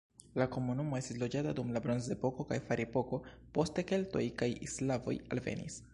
La komunumo estis loĝata dum la bronzepoko kaj ferepoko, poste keltoj kaj slavoj alvenis.